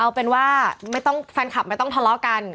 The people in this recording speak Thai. เอาเป็นว่าแฟนคลับไม่ต้องทะเลาะกัน